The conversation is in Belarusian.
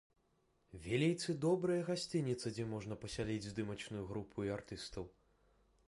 Вілейцы добрая гасцініца, дзе можна пасяліць здымачную групу і артыстаў.